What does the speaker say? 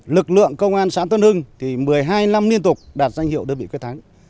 lực lượng công an xã tân hưng thì một mươi hai năm liên tục đạt danh hiệu đơn vị quyết thắng